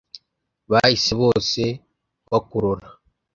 Bahise bose bakurora